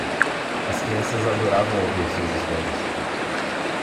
As crianças adoravam ouvir suas histórias.